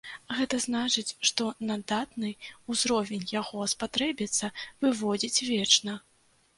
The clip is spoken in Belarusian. Гэта значыць, што на дадатны ўзровень яго спатрэбіцца выводзіць вечна.